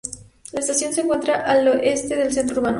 La estación se encuentra al este del centro urbano.